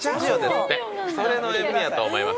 それの塩みやと思います。